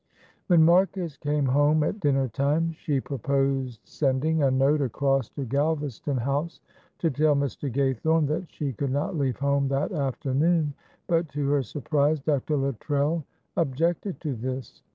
When Marcus came home at dinner time, she proposed sending a note across to Galvaston House to tell Mr. Gaythorne that she could not leave home that afternoon, but to her surprise Dr. Luttrell objected to this.